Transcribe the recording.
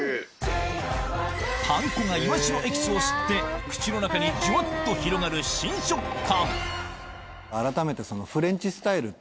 パン粉がイワシのエキスを吸って口の中にジュワっと広がる新食感あらためて。